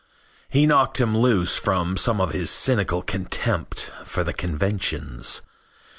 He knocked him loose from some of his cynical contempt for the conventions.